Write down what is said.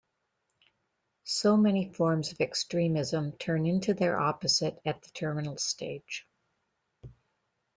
So many forms of extremism turn into their opposite at the terminal stage.